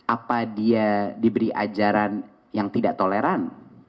apa dia diberi ajaran yang tidak toleran